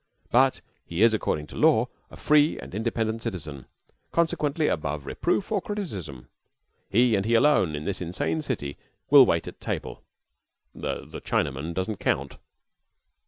But he is according to law a free and independent citizen consequently above reproof or criticism. He, and he alone, in this insane city, will wait at table (the Chinaman doesn't count).